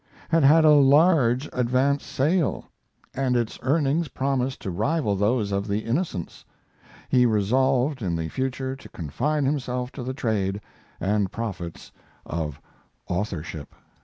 ] had had a large advance sale, and its earnings promised to rival those of the 'Innocents'. He resolved in the future to confine himself to the trade and profits of authorship.